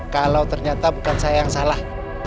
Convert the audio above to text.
kalau ternyata bukan saya yang salah